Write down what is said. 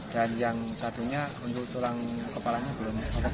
dan yang satunya untuk tulang kepalanya belum